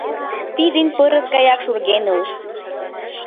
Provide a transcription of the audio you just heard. Пий ден пырыс гаяк шурген илышт!